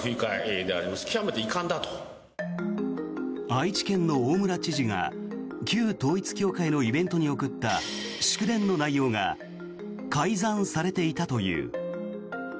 愛知県の大村知事が旧統一教会のイベントに送った祝電の内容が改ざんされていたという。